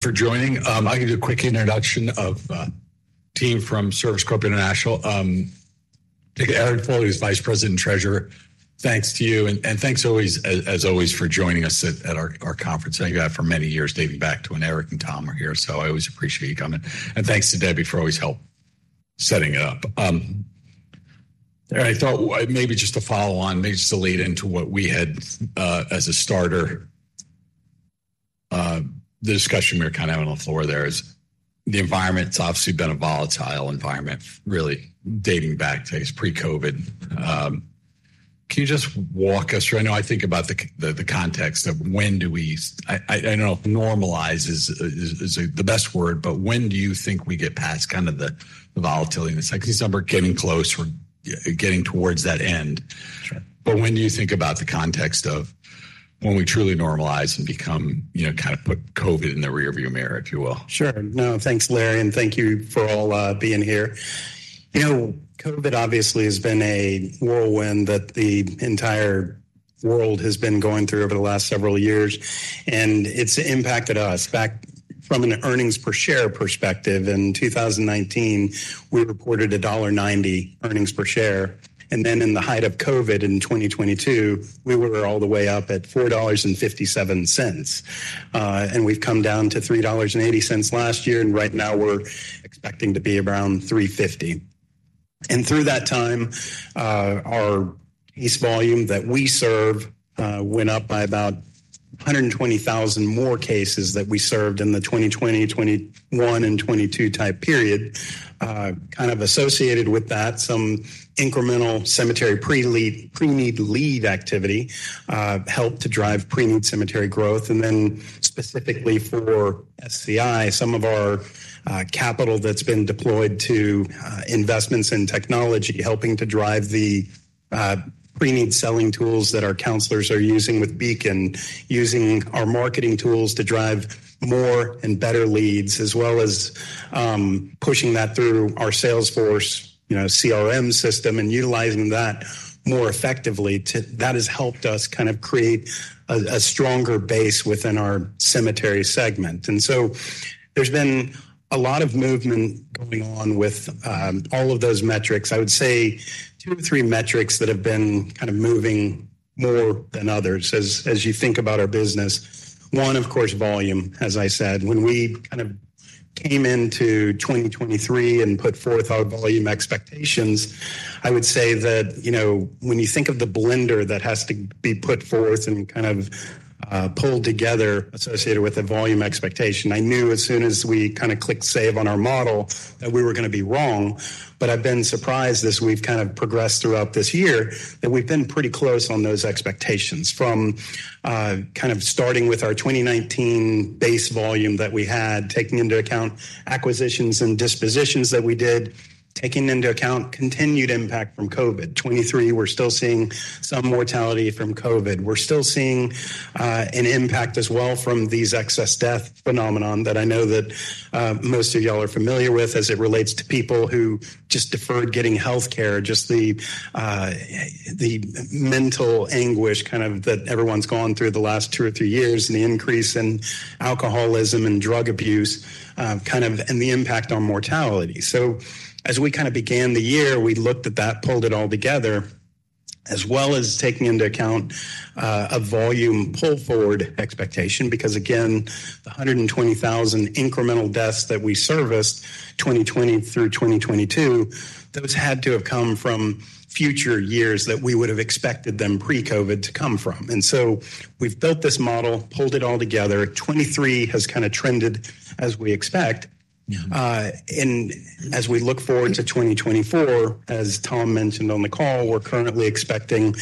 For joining. I'll give you a quick introduction of team from Service Corp International. Aaron Foley is Vice President and Treasurer. Thanks to you, and thanks always, as always, for joining us at our conference, and you have for many years, dating back to when Eric and Tom were here. So I always appreciate you coming. And thanks to Debbie for always help setting it up. And I thought maybe just to follow on, maybe just to lead into what we had as a starter, the discussion we were having on the floor there is the environment's obviously been a volatile environment, really dating back to pre-COVID. Can you just walk us through? I know I think about the context of when do we normalize is the best word, but when do you think we get past kind of the volatility? And it's like this number getting close, we're getting towards that end. Sure. But when do you think about the context of when we truly normalize and become, you know, kind of put COVID in the rearview mirror, if you will? Sure. No, thanks, Larry, and thank you for all, being here. You know, COVID obviously has been a whirlwind that the entire world has been going through over the last several years, and it's impacted us. Back from an earnings per share perspective, in 2019, we reported $1.90 earnings per share, and then in the height of COVID in 2022, we were all the way up at $4.57. And we've come down to $3.80 last year, and right now we're expecting to be around $3.50. And through that time, our case volume that we serve, went up by about 120,000 more cases that we served in the 2020, 2021, and 2022 type period. Kind of associated with that, some incremental cemetery pre-need lead activity helped to drive pre-need cemetery growth. And then specifically for SCI, some of our capital that's been deployed to investments in technology, helping to drive the pre-need selling tools that our counselors are using with Beacon, using our marketing tools to drive more and better leads, as well as pushing that through our sales force, you know, CRM system and utilizing that more effectively. That has helped us kind of create a stronger base within our cemetery segment. And so there's been a lot of movement going on with all of those metrics. I would say two to three metrics that have been kind of moving more than others as you think about our business. One, of course, volume. As I said, when we kind of came into 2023 and put forth our volume expectations, I would say that, you know, when you think of the blender that has to be put forth and kind of pulled together associated with a volume expectation, I knew as soon as we kinda clicked save on our model, that we were gonna be wrong. But I've been surprised as we've kind of progressed throughout this year, that we've been pretty close on those expectations. From kind of starting with our 2019 base volume that we had, taking into account acquisitions and dispositions that we did, taking into account continued impact from COVID. 2023, we're still seeing some mortality from COVID. We're still seeing an impact as well from these excess death phenomenon that I know that most of you all are familiar with as it relates to people who just deferred getting healthcare, just the mental anguish kind of that everyone's gone through the last two or three years, and the increase in alcoholism and drug abuse, kind of, and the impact on mortality. So as we kinda began the year, we looked at that, pulled it all together, as well as taking into account a volume pull-forward expectation, because, again, the 120,000 incremental deaths that we serviced, 2020 through 2022, those had to have come from future years that we would have expected them pre-COVID to come from. And so we've built this model, pulled it all together. 2023 has kinda trended as we expect. Yeah. And as we look forward to 2024, as Tom mentioned on the call, we're currently expecting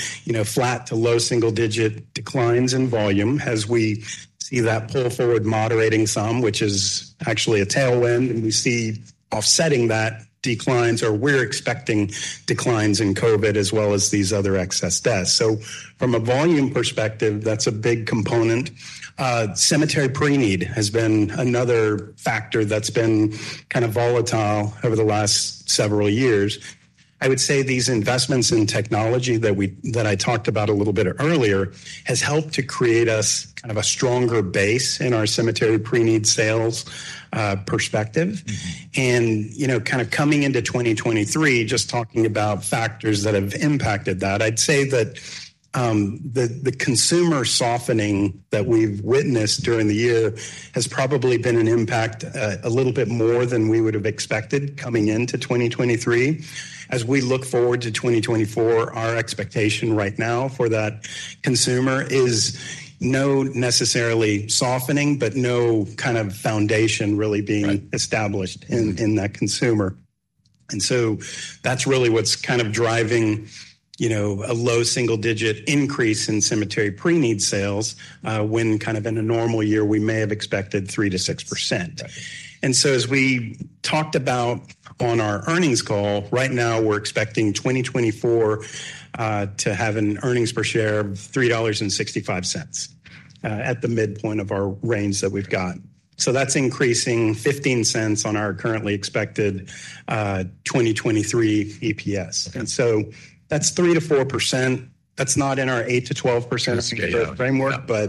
flat to low single-digit declines in volume as we see that pull-forward, moderating some, which is actually a tailwind, and we see offsetting that declines, or we're expecting declines in COVID as well as these other excess deaths. So from a volume perspective, that's a big component. Cemetery pre-need has been another factor that's been kind of volatile over the last several years. I would say these investments in technology that I talked about a little bit earlier has helped to create us kind of a stronger base in our cemetery pre-need sales perspective. Mm-hmm. And, you know, kind of coming into 2023, just talking about factors that have impacted that, I'd say that the consumer softening that we've witnessed during the year has probably been an impact a little bit more than we would have expected coming into 2023. As we look forward to 2024, our expectation right now for that consumer is no necessarily softening, but no kind of foundation really being- Right... established in that consumer. And so that's really what's kind of driving, you know, a low single-digit increase in cemetery pre-need sales, when kind of in a normal year, we may have expected 3%-6%. Right. And so as we talked about on our earnings call, right now, we're expecting 2024 to have an earnings per share of $3.65 at the midpoint of our range that we've got. So that's increasing $0.15 on our currently expected 2023 EPS. And so that's 3%-4%. That's not in our 8%-12% framework. Yeah.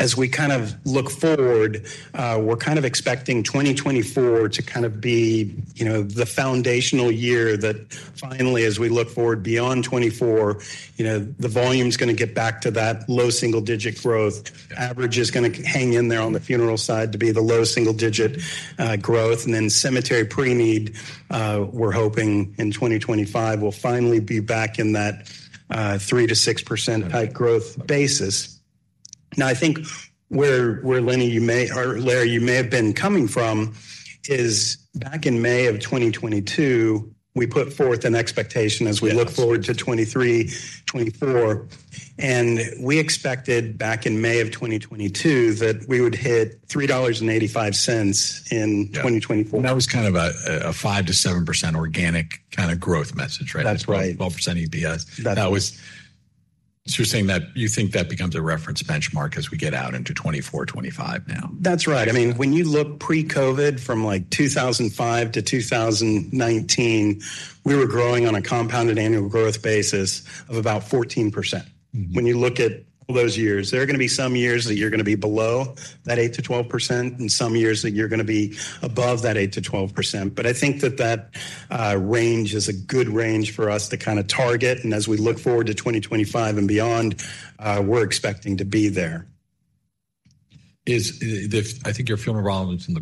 As we kind of look forward, we're kind of expecting 2024 to kind of be, you know, the foundational year that finally, as we look forward beyond 2024, you know, the volume's gonna get back to that low single-digit growth. Yeah. Average is gonna hang in there on the funeral side to be the low single-digit growth. And then cemetery pre-need, we're hoping in 2025, we'll finally be back in that 3%-6% type growth basis. Now, I think where Lenny, you may or Larry, you may have been coming from, is back in May of 2022, we put forth an expectation- Yes. - as we look forward to 2023, 2024, and we expected back in May of 2022, that we would hit $3.85 in- Yeah 2024. That was kind of a 5%-7% organic kind of growth message, right? That's right. 12% EPS. That- That was... So you're saying that you think that becomes a reference benchmark as we get out into 2024, 2025 now? That's right. I mean, when you look pre-COVID from, like, 2005 to 2019, we were growing on a compounded annual growth basis of about 14%. Mm-hmm. When you look at those years, there are gonna be some years that you're gonna be below that 8%-12%, and some years that you're gonna be above that 8%-12%. But I think that that range is a good range for us to kind of target, and as we look forward to 2025 and beyond, we're expecting to be there. Is the—I think your funeral volume in the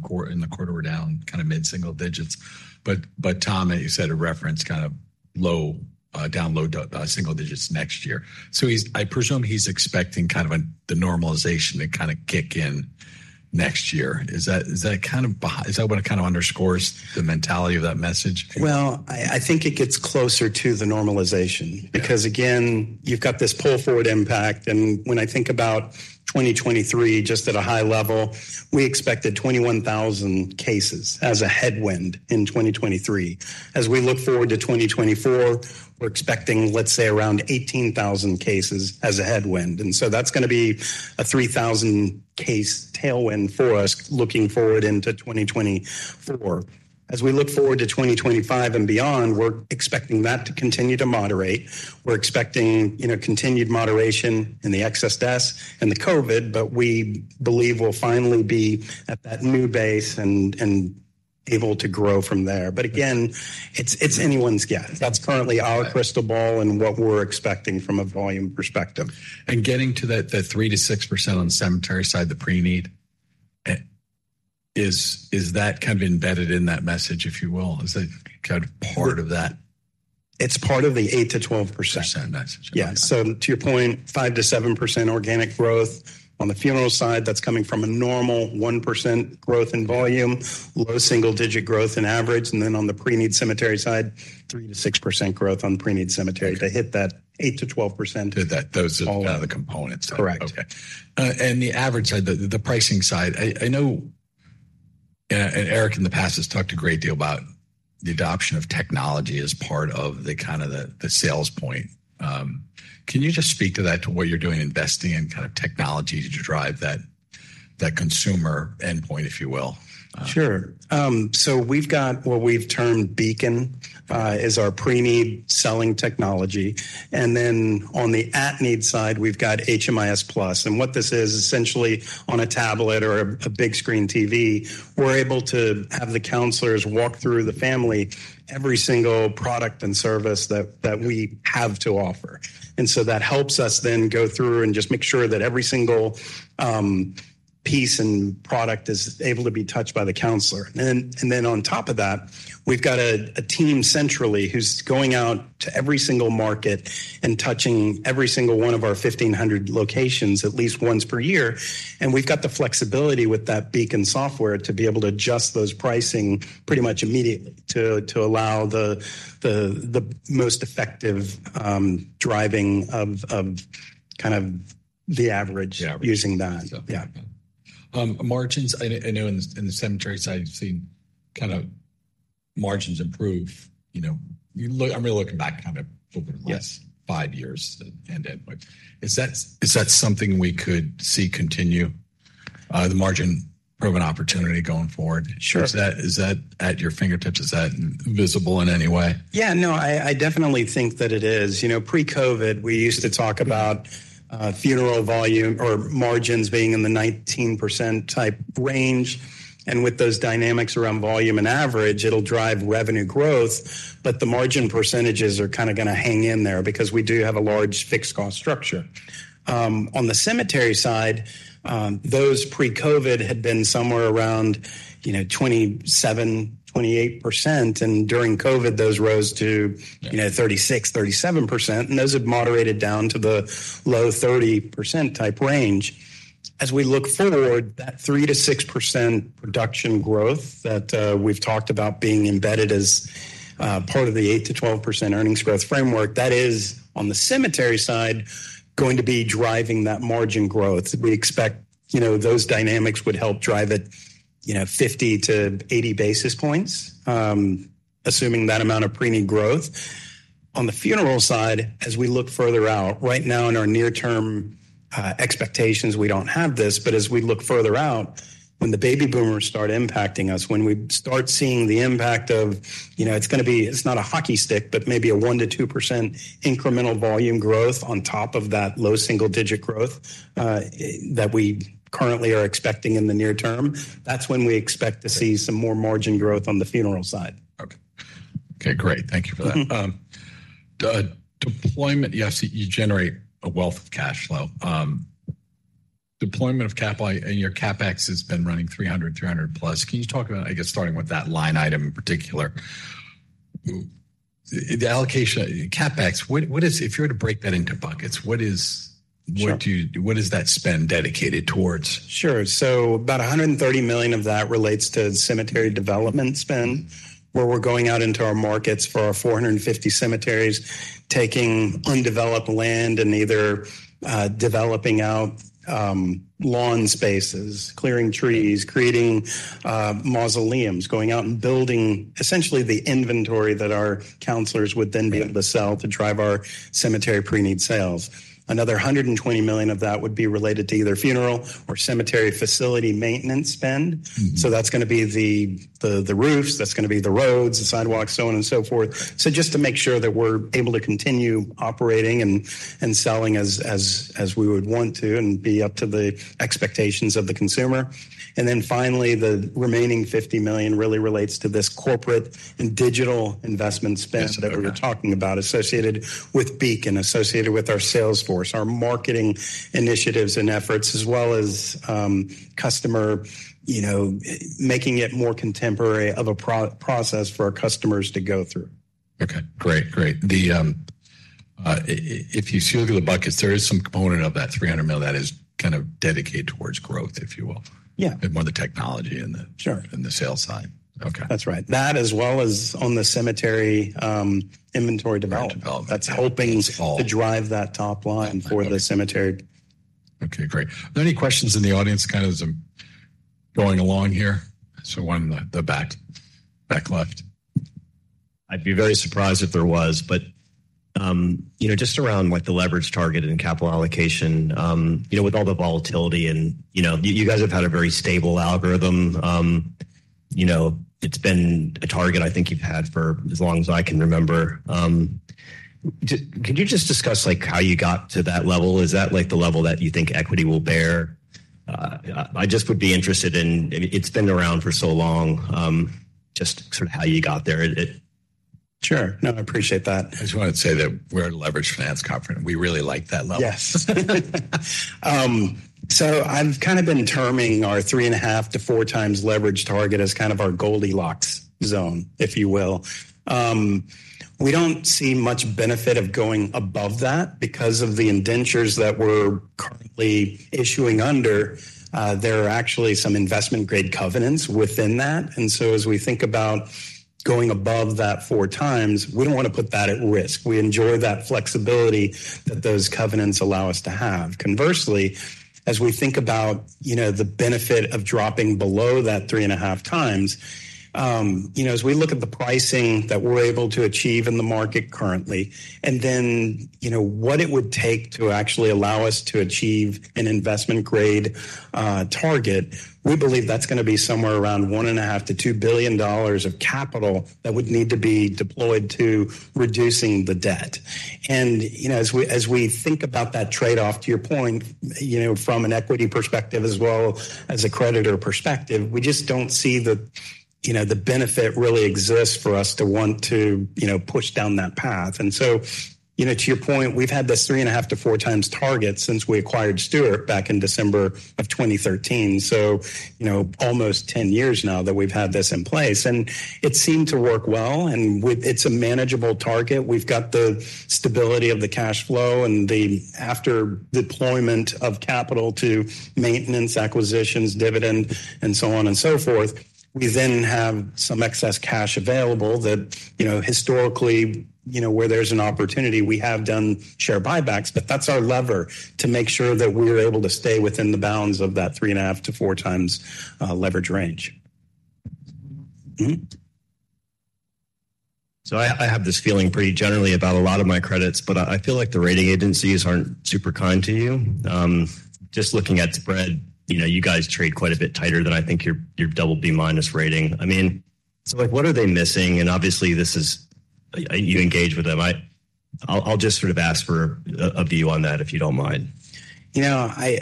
quarter were down, kind of mid-single digits. But Tom, you referenced kind of low single digits next year. So I presume he's expecting kind of the normalization to kind of kick in next year. Is that kind of what it kind of underscores the mentality of that message? Well, I think it gets closer to the normalization. Yeah. Because, again, you've got this pull-forward impact, and when I think about 2023, just at a high level, we expected 21,000 cases as a headwind in 2023. As we look forward to 2024, we're expecting, let's say, around 18,000 cases as a headwind. And so that's gonna be a 3,000-case tailwind for us looking forward into 2024. As we look forward to 2025 and beyond, we're expecting that to continue to moderate. We're expecting, you know, continued moderation in the excess deaths and the COVID, but we believe we'll finally be at that new base and, and able to grow from there. But again, it's, it's anyone's guess. Right. That's currently our crystal ball and what we're expecting from a volume perspective. Getting to that, the 3%-6% on the cemetery side, the pre-need, is that kind of embedded in that message, if you will? Is that kind of part of that? It's part of the 8%-12%. Percent, got you. Yeah. So to your point, 5%-7% organic growth on the funeral side, that's coming from a normal 1% growth in volume, low single-digit growth in average, and then on the pre-need cemetery side, 3%-6% growth on pre-need cemetery to hit that 8%-12%. That those are- All of them. - the components. Correct. Okay. And the average side, the pricing side, I know, and Eric, in the past, has talked a great deal about the adoption of technology as part of the kind of the sales point. Can you just speak to that, to what you're doing, investing in kind of technology to drive that consumer endpoint, if you will? Sure. So we've got what we've termed Beacon as our pre-need selling technology. And then on the at-need side, we've got HMIS+. And what this is, essentially on a tablet or a big screen TV, we're able to have the counselors walk through the family, every single product and service that we have to offer. And so that helps us then go through and just make sure that every single piece and product is able to be touched by the counselor. And then on top of that, we've got a team centrally who's going out to every single market and touching every single one of our 1,500 locations at least once per year, and we've got the flexibility with that Beacon software to be able to adjust those pricing pretty much immediately to allow the most effective driving of kind of the average- Average... using that. Yeah. Yeah. Margins, I know in the cemetery side, you've seen kind of margins improve, you know. You look. I'm really looking back kind of over the- Yes... five years and then. Is that, is that something we could see continue, the margin improvement opportunity going forward? Sure. Is that, is that at your fingertips? Is that visible in any way? Yeah, no, I, I definitely think that it is. You know, pre-COVID, we used to talk about funeral volume or margins being in the 19% type range, and with those dynamics around volume and average, it'll drive revenue growth, but the margin percentages are kind of gonna hang in there because we do have a large fixed cost structure. On the cemetery side, those pre-COVID had been somewhere around, you know, 27%-28%, and during COVID, those rose to- Yeah... you know, 36%-37%, and those have moderated down to the low 30% type range. As we look forward, that 3%-6% production growth that we've talked about being embedded as part of the 8%-12% earnings growth framework, that is, on the cemetery side, going to be driving that margin growth. We expect, you know, those dynamics would help drive it, you know, 50-80 basis points, assuming that amount of pre-need growth. On the funeral side, as we look further out, right now in our near term expectations, we don't have this. But as we look further out, when the baby boomers start impacting us, when we start seeing the impact of, you know, it's gonna be—it's not a hockey stick, but maybe a 1%-2% incremental volume growth on top of that low single-digit growth that we currently are expecting in the near term, that's when we expect to see some more margin growth on the funeral side. Okay. Okay, great. Thank you for that. Mm-hmm. The deployment, yes, you generate a wealth of cash flow. Deployment of capital and your CapEx has been running $300, $300+. Can you talk about, I guess, starting with that line item in particular? The allocation, CapEx, what is if you were to break that into buckets, what is Sure. What is that spend dedicated towards? Sure. So about $130 million of that relates to cemetery development spend, where we're going out into our markets for our 450 cemeteries, taking undeveloped land and either developing out lawn spaces, clearing trees, creating mausoleums, going out and building essentially the inventory that our counselors would then be able to sell to drive our cemetery pre-need sales. Another $120 million of that would be related to either funeral or cemetery facility maintenance spend. Mm-hmm. So that's gonna be the roofs, that's gonna be the roads, the sidewalks, so on and so forth. So just to make sure that we're able to continue operating and selling as we would want to and be up to the expectations of the consumer. And then finally, the remaining $50 million really relates to this corporate and digital investment spend- Yes. Okay. that we were talking about, associated with Beacon, associated with our sales force, our marketing initiatives and efforts, as well as customer, you know, making it more contemporary of a process for our customers to go through. Okay, great, great. If you look at the buckets, there is some component of that $300 million that is kind of dedicated towards growth, if you will. Yeah. And more the technology and the-- Sure. The sales side. Okay. That's right. That as well as on the cemetery, inventory development- Development. That's helping to drive that top line for the cemetery. Okay, great. Are there any questions in the audience kind of as I'm going along here? I saw one in the back left. I'd be very surprised if there was. But, you know, just around what the leverage target and capital allocation, you know, with all the volatility and, you know, you, you guys have had a very stable algorithm. You know, it's been a target I think you've had for as long as I can remember. Can you just discuss, like, how you got to that level? Is that, like, the level that you think equity will bear? I just would be interested in... I mean, it's been around for so long, just sort of how you got there. It- Sure. No, I appreciate that. I just wanted to say that we're a leverage finance conference. We really like that level. Yes. So I've kind of been terming our 3.5-4x leverage target as kind of our Goldilocks zone, if you will. We don't see much benefit of going above that because of the indentures that we're currently issuing under, there are actually some investment-grade covenants within that. And so as we think about going above that 4x, we don't want to put that at risk. We enjoy that flexibility that those covenants allow us to have. Conversely, as we think about, you know, the benefit of dropping below that 3.5x, you know, as we look at the pricing that we're able to achieve in the market currently, and then, you know, what it would take to actually allow us to achieve an investment-grade target, we believe that's gonna be somewhere around $1.5 billion-$2 billion of capital that would need to be deployed to reducing the debt. And, you know, as we, as we think about that trade-off, to your point, you know, from an equity perspective as well as a creditor perspective, we just don't see the, you know, the benefit really exists for us to want to, you know, push down that path. So, you know, to your point, we've had this 3.5-4x target since we acquired Stewart back in December 2013. So, you know, almost ten years now that we've had this in place, and it seemed to work well, and with—it's a manageable target. We've got the stability of the cash flow and the after deployment of capital to maintenance, acquisitions, dividend, and so on and so forth, we then have some excess cash available that, you know, historically, you know, where there's an opportunity, we have done share buybacks, but that's our lever to make sure that we're able to stay within the bounds of that 3.5-4x leverage range. Mm-hmm. So I have this feeling pretty generally about a lot of my credits, but I feel like the rating agencies aren't super kind to you. Just looking at spread, you know, you guys trade quite a bit tighter than I think your double B-minus rating. I mean, so, like, what are they missing? And obviously, this is... You engage with them. I'll just sort of ask for a view on that, if you don't mind. You know, I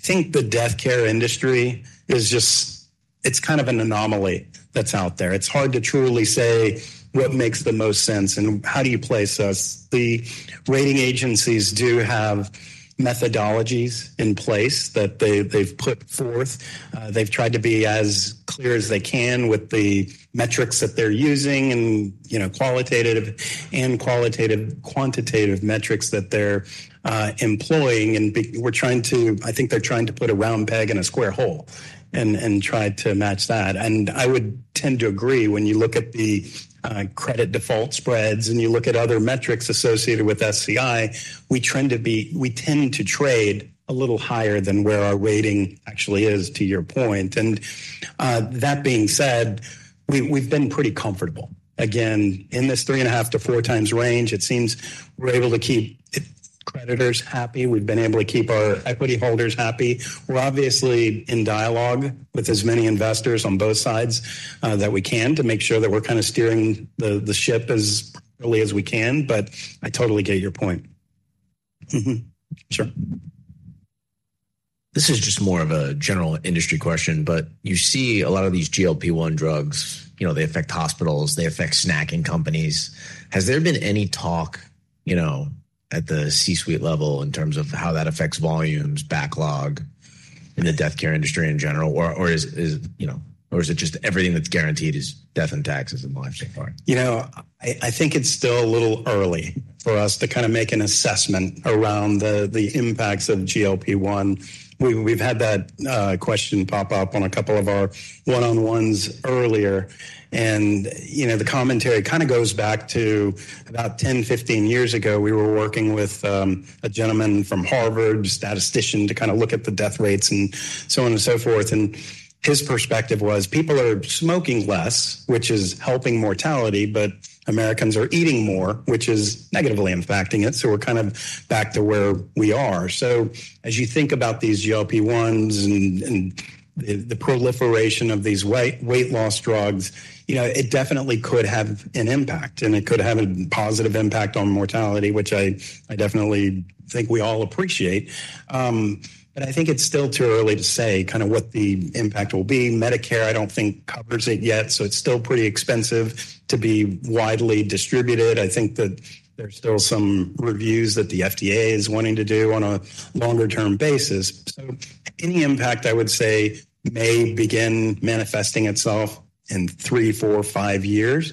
think the death care industry is just—it's kind of an anomaly that's out there. It's hard to truly say what makes the most sense and how do you place us? The rating agencies do have methodologies in place that they've put forth. They've tried to be as clear as they can with the metrics that they're using, and, you know, qualitative and quantitative metrics that they're employing, and I think they're trying to put a round peg in a square hole and try to match that. And I would tend to agree, when you look at the credit default spreads and you look at other metrics associated with SCI, we tend to trade a little higher than where our weighting actually is, to your point. That being said, we've been pretty comfortable. Again, in this 3.5-4x range, it seems we're able to keep creditors happy. We've been able to keep our equity holders happy. We're obviously in dialogue with as many investors on both sides that we can to make sure that we're kind of steering the ship as early as we can, but I totally get your point. Mm-hmm. Sure. This is just more of a general industry question, but you see a lot of these GLP-1 drugs, you know, they affect hospitals, they affect snacking companies. Has there been any talk, you know, at the C-suite level in terms of how that affects volumes, backlog in the death care industry in general? Or, you know, or is it just everything that's guaranteed is death and taxes and life so far? You know, I, I think it's still a little early for us to kinda make an assessment around the, the impacts of GLP-1. We've, we've had that question pop up on a couple of our one-on-ones earlier, and, you know, the commentary kind of goes back to about 10, 15 years ago. We were working with a gentleman from Harvard, a statistician, to kind of look at the death rates and so on and so forth, and his perspective was, people are smoking less, which is helping mortality, but Americans are eating more, which is negatively impacting it, so we're kind of back to where we are. So as you think about these GLP-1s and the proliferation of these weight loss drugs, you know, it definitely could have an impact, and it could have a positive impact on mortality, which I definitely think we all appreciate. But I think it's still too early to say kind of what the impact will be. Medicare, I don't think covers it yet, so it's still pretty expensive to be widely distributed. I think that there's still some reviews that the FDA is wanting to do on a longer term basis. So any impact, I would say, may begin manifesting itself in three, four, five years,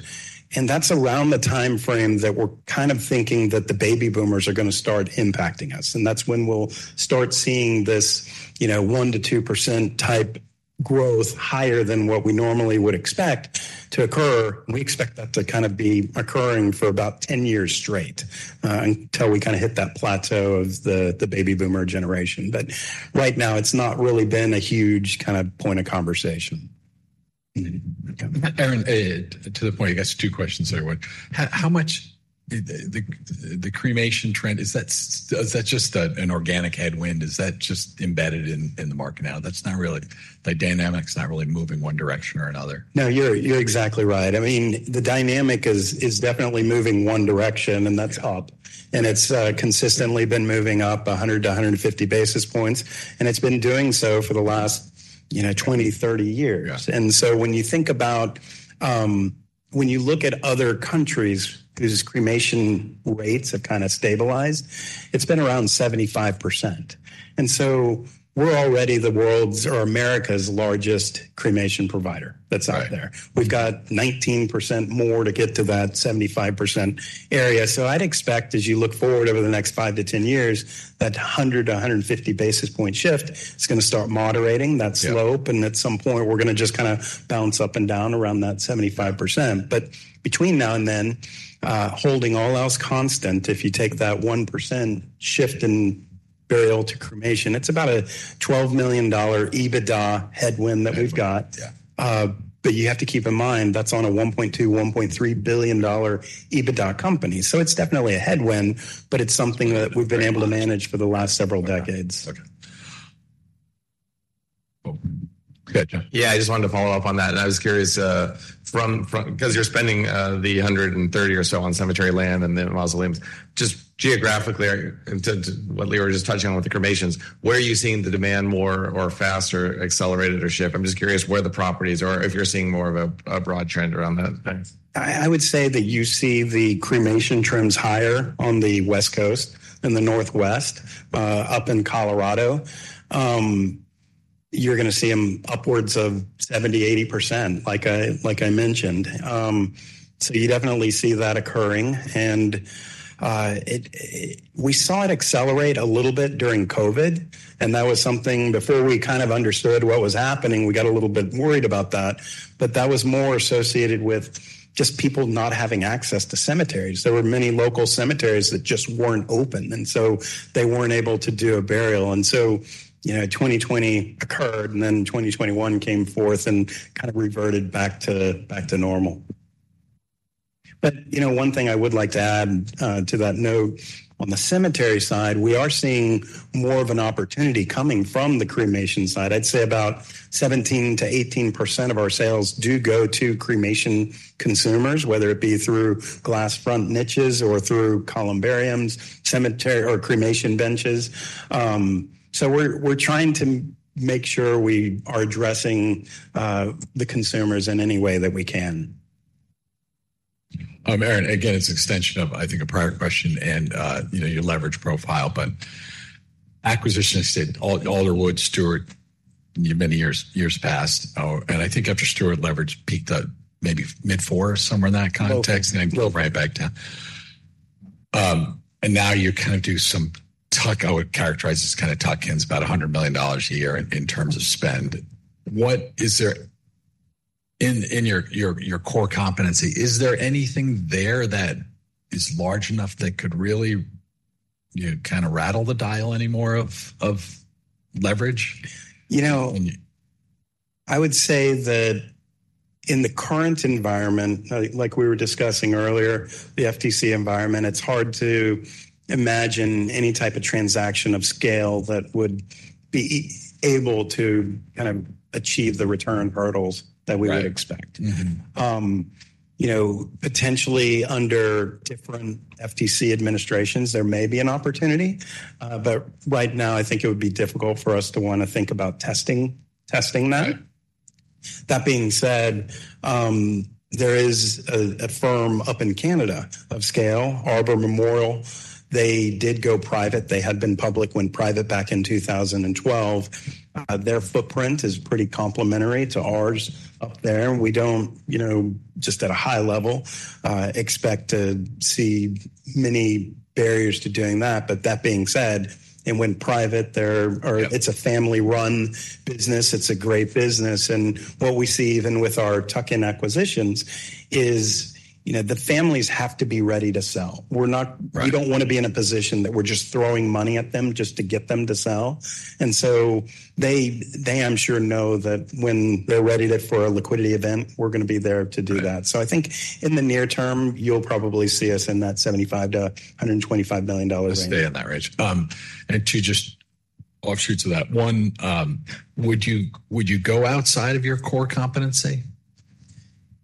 and that's around the timeframe that we're kind of thinking that the Baby Boomers are gonna start impacting us, and that's when we'll start seeing this, you know, 1%-2% type growth higher than what we normally would expect to occur. We expect that to kind of be occurring for about 10 years straight, until we kind of hit that plateau of the Baby Boomer generation. But right now, it's not really been a huge kind of point of conversation. Aaron, to the point, I guess two questions in one. How much did the cremation trend, is that just an organic headwind? Is that just embedded in the market now? That's not really, the dynamic's not really moving one direction or another. No, you're exactly right. I mean, the dynamic is definitely moving one direction, and that's up. And it's consistently been moving up 100-150 basis points, and it's been doing so for the last, you know, 20, 30 years. Yes. And so when you think about, when you look at other countries, whose cremation rates have kind of stabilized, it's been around 75%. And so we're already the world's or America's largest cremation provider- Right. -that's out there. We've got 19% more to get to that 75% area. So I'd expect, as you look forward over the next five to 10 years, that a 100-150 basis point shift is gonna start moderating that slope- Yeah. And at some point, we're gonna just kinda bounce up and down around that 75%. But between now and then, holding all else constant, if you take that 1% shift in burial to cremation, it's about a $12 million EBITDA headwind that we've got. Yeah. But you have to keep in mind, that's on a $1.2 billion-$1.3 billion EBITDA company. So it's definitely a headwind, but it's something that we've been able to manage for the last several decades. Okay. Cool. Go ahead, John. Yeah, I just wanted to follow up on that, and I was curious, from, 'cause you're spending the 130 or so on cemetery land and then mausoleums, just geographically, are in terms of what we were just touching on with the cremations, where are you seeing the demand more or faster, accelerated or shift? I'm just curious where the properties are, if you're seeing more of a, a broad trend around the fence. I would say that you see the cremation trends higher on the West Coast and the Northwest, up in Colorado. You're gonna see them upwards of 70%-80%, like I mentioned. So you definitely see that occurring. And we saw it accelerate a little bit during COVID, and that was something, before we kind of understood what was happening, we got a little bit worried about that. But that was more associated with just people not having access to cemeteries. There were many local cemeteries that just weren't open, and so they weren't able to do a burial. And so, you know, 2020 occurred, and then 2021 came forth and kind of reverted back to normal. But, you know, one thing I would like to add to that note, on the cemetery side, we are seeing more of an opportunity coming from the cremation side. I'd say about 17%-18% of our sales do go to cremation consumers, whether it be through glass front niches or through columbariums, cemetery or cremation benches. So we're, we're trying to make sure we are addressing the consumers in any way that we can. Aaron, again, it's an extension of, I think, a prior question and, you know, your leverage profile, but acquisitions did Alderwoods, Stewart, many years, years passed. And I think after Stewart leverage peaked at maybe mid-four or somewhere in that context- Mm-hmm. and then went right back down. And now you kind of do some tuck-ins. I would characterize this kind of tuck-ins about $100 million a year in terms of spend. What is there in your core competency, is there anything there that is large enough that could really, you know, kind of rattle the dial anymore of leverage? You know, I would say that in the current environment, like we were discussing earlier, the FTC environment, it's hard to imagine any type of transaction of scale that would be able to kind of achieve the return hurdles that we would expect. Right. Mm-hmm. You know, potentially under different FTC administrations, there may be an opportunity, but right now, I think it would be difficult for us to want to think about testing that. Right. That being said, there is a firm up in Canada of scale, Arbor Memorial. They did go private. They had been public, went private back in 2012. Their footprint is pretty complementary to ours up there. We don't, you know, just at a high level, expect to see many barriers to doing that. But that being said, it went private. There- Yeah. Or it's a family-run business. It's a great business, and what we see even with our tuck-in acquisitions is, you know, the families have to be ready to sell. We're not- Right. We don't want to be in a position that we're just throwing money at them just to get them to sell. And so they, I'm sure, know that when they're ready to, for a liquidity event, we're going to be there to do that. Right. So I think in the near term, you'll probably see us in that $75 million-$125 million range. Stay in that range. And to just offshoot to that, one, would you, would you go outside of your core competency?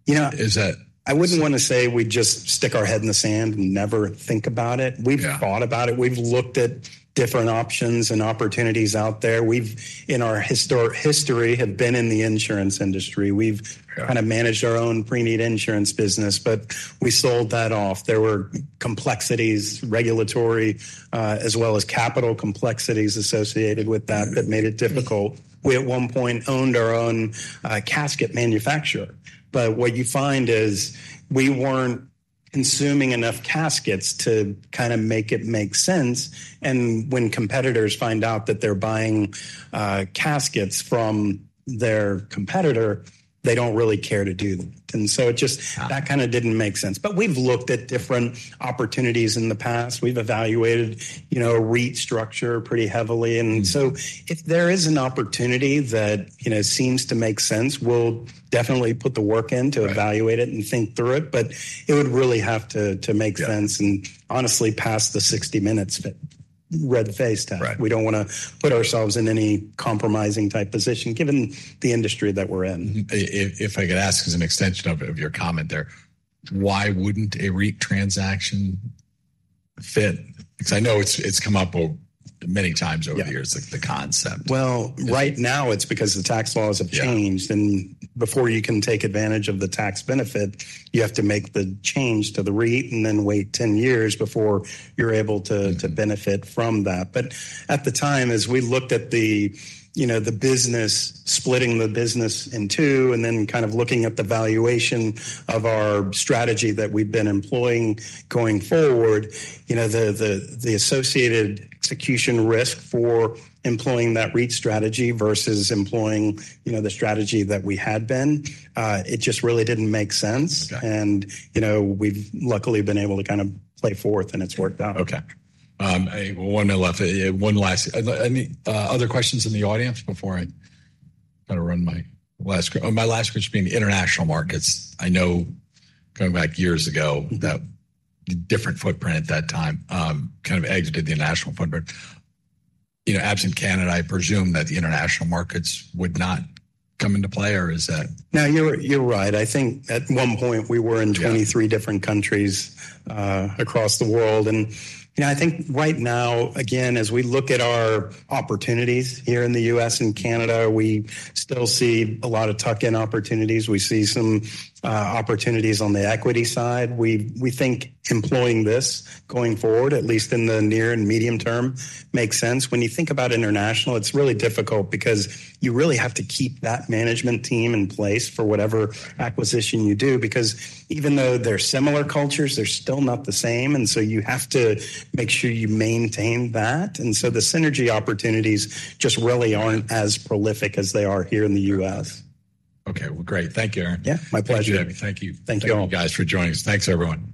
Yeah. Is that- I wouldn't want to say we just stick our head in the sand and never think about it. Yeah. We've thought about it. We've looked at different options and opportunities out there. We've, in our historic history, have been in the insurance industry. Right. We've kind of managed our own pre-need insurance business, but we sold that off. There were complexities, regulatory, as well as capital complexities associated with that- Mm-hmm... that made it difficult. We, at one point, owned our own casket manufacturer, but what you find is we weren't consuming enough caskets to kind of make it make sense, and when competitors find out that they're buying caskets from their competitor, they don't really care to do that. And so it just- Yeah... that kind of didn't make sense. But we've looked at different opportunities in the past. We've evaluated, you know, REIT structure pretty heavily. Mm-hmm. If there is an opportunity that, you know, seems to make sense, we'll definitely put the work in to evaluate it- Right... and think through it, but it would really have to, to make sense- Yeah... and honestly, pass the 60 Minutes red-face test. Right. We don't want to put ourselves in any compromising type position, given the industry that we're in. If I could ask as an extension of your comment there, why wouldn't a REIT transaction fit? Because I know it's come up many times over the years- Yeah... like, the concept. Well, right now it's because the tax laws have changed. Yeah. Before you can take advantage of the tax benefit, you have to make the change to the REIT and then wait 10 years before you're able to to benefit from that. But at the time, as we looked at the, you know, business, splitting the business in two, and then kind of looking at the valuation of our strategy that we've been employing going forward, you know, the associated execution risk for employing that REIT strategy versus employing, you know, the strategy that we had been, it just really didn't make sense. Got it. You know, we've luckily been able to kind of play forth, and it's worked out. Okay. One last... Any other questions in the audience before I kind of run my last question being the international markets. I know going back years ago- Mm-hmm ... that different footprint at that time, kind of exited the international footprint. You know, absent Canada, I presume that the international markets would not come into play, or is that- No, you're, you're right. I think at one point, we were in- Yeah... 23 different countries across the world. And, you know, I think right now, again, as we look at our opportunities here in the U.S. and Canada, we still see a lot of tuck-in opportunities. We see some opportunities on the equity side. We think employing this going forward, at least in the near and medium term, makes sense. When you think about international, it's really difficult because you really have to keep that management team in place for whatever acquisition you do, because even though they're similar cultures, they're still not the same, and so you have to make sure you maintain that. And so the synergy opportunities just really aren't as prolific as they are here in the U.S. Okay. Well, great. Thank you, Aaron. Yeah. My pleasure. Thank you. Thank you all. Thank you guys for joining us. Thanks, everyone.